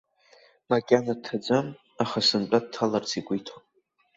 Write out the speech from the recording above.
Макьана дҭаӡам, аха сынтәа дҭаларц игәы иҭоуп!